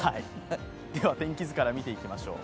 天気図から見ていきましょう。